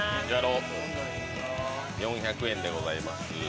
４００円でございます